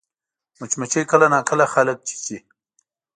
مچمچۍ کله ناکله خلک چیچي